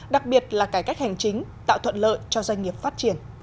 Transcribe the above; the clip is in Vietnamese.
đặc biệt là cải cách hành chính tạo thuận lợi cho doanh nghiệp phát triển